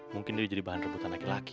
mungkin dia jadi bahan rebutan laki laki